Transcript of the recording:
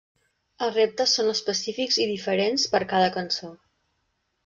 Els reptes són específics i diferents per cada cançó.